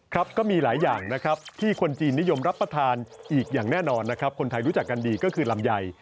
ครับก็มีหลายอย่างนะครับที่คนจีนนิยมรับประทานอีกอย่างแน่นอนนะครับคนไทยรู้จักกันดีก็คือลำไย